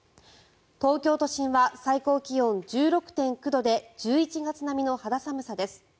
東京都心は最高気温１６．９度で１１月並みの肌寒さです。